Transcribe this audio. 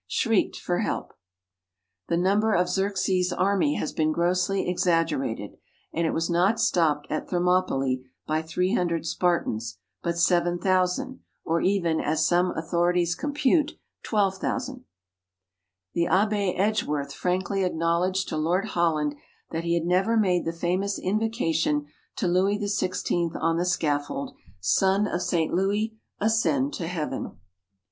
shrieked for help. The number of Xerxes's army has been grossly exaggerated, and it was not stopped at Thermopylæ by 300 Spartans, but 7,000, or even, as some authorities compute, 12,000. The Abbé Edgeworth frankly acknowledged to Lord Holland that he had never made the famous invocation to Louis XVI on the scaffold: "Son of St. Louis, ascend to heaven."